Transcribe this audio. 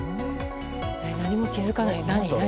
何も気づかない、何？